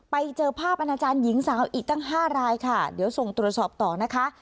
ไปเจอภาพอาณาจารย์หญิงสาวอีกตั้ง๕รายค่ะเดี๋ยวส่งตรวจสอบต่อนะคะ